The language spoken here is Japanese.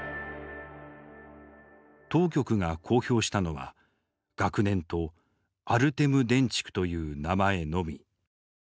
当局が公表したのは学年とアルテム・デンチクという名前のみ。